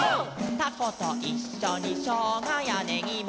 「たこといっしょにしょうがやねぎも」